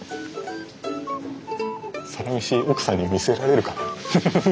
「サラメシ」奥さんに見せられるかな。